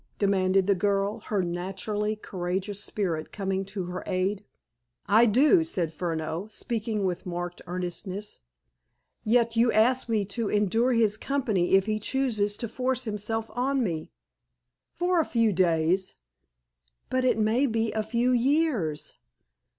demanded the girl, her naturally courageous spirit coming to her aid. "I do," said Furneaux, speaking with marked earnestness. "Yet you ask me to endure his company if he chooses to force himself on me?" "For a few days." "But it may be a few years?"